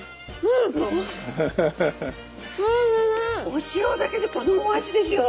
お塩だけでこのお味ですよ。